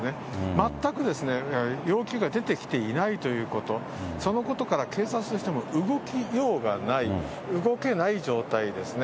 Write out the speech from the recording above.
全く要求が出てきていないということ、そのことから、警察としても動きようがない、動けない状態ですね。